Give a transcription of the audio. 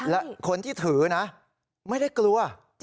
และคนที่ถือนะไม่ได้กลัว